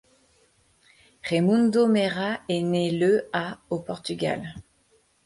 Raimundo Meira est né le à au Portugal.